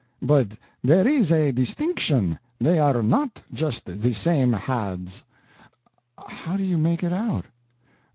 "But there is a distinction they are not just the same Hads." "How do you make it out?"